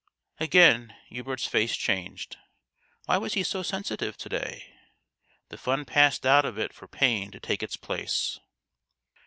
Again Hubert's face changed. Why was he so sensitive to day ? The fun passed out of it for pain to take its place.